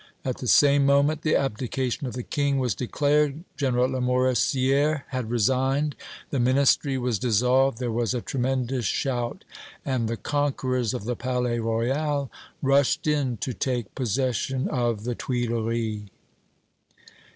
At the same moment the abdication of the King was declared. General Lamoricière had resigned. The Ministry was dissolved. There was a tremendous shout, and the conquerors of the Palais Royal rushed in to take possession of the Tuileries!